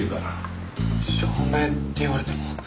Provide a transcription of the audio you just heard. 証明って言われても。